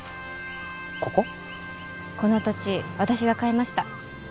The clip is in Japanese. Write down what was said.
この土地私が買いました。